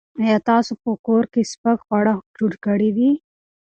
ایا تاسو په کور کې سپک خواړه جوړ کړي دي؟